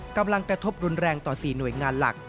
กระทบรุนแรงต่อ๔หน่วยงานหลัก